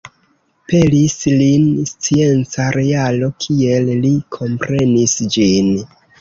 Pelis lin scienca realo, kiel li komprenis ĝin.